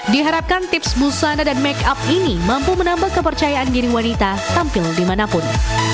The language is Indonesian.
diharapkan tips busana dan make up ini mampu menambah kepercayaan diri wanita tampil dimanapun